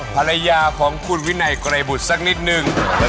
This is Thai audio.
ภรรยาของครูวินัยก็ไหลบุชสักนิดนึง